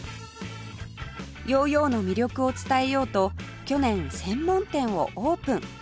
ヨーヨーの魅力を伝えようと去年専門店をオープン